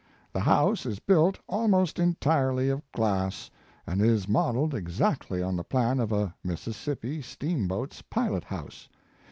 The house is built almost entirely of glass, and is modelled ex actly on the plan of a Mississippi steam boat s pilot house.